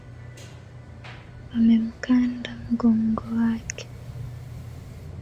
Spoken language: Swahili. Wamemkanda mgongo wake.